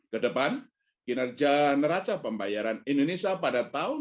kedepan kinerja neraca pembayaran indonesia pada tahun dua ribu dua puluh